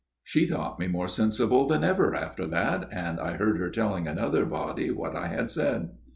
She thought me more sensible than ever after that, and I heard her telling another old body what I had said."